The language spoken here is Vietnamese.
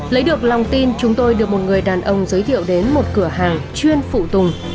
lấy được lòng tin chúng tôi được một người đàn ông giới thiệu đến một cửa hàng chuyên phụ tùng linh kiện ô tô